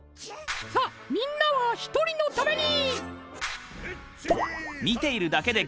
さあみんなは一人のために！